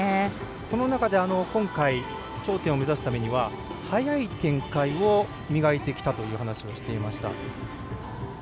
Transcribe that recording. その中で今回頂点を目指すためには早い展開を磨いてきたという話をしていました。